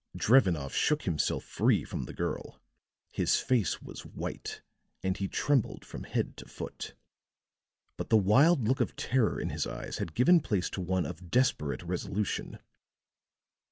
Drevenoff shook himself free from the girl; his face was white, and he trembled from head to foot; but the wild look of terror in his eyes had given place to one of desperate resolution.